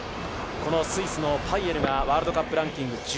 スイスのパイエルがワールドランキング